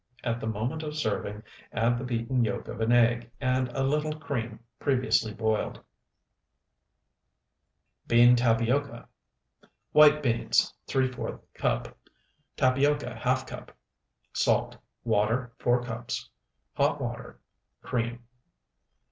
At the moment of serving add the beaten yolk of an egg and a little cream previously boiled. BEAN TAPIOCA White beans, ¾ cup. Tapioca, ½ cup. Salt. Water, 4 cups. Hot water. Cream.